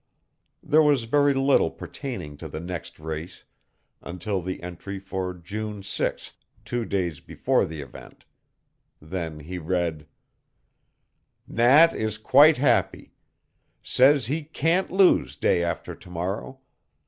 There was very little pertaining to the next race until the entry for June 6, two days before the event. Then he read: "Nat is quite happy; says he can't lose day after to morrow.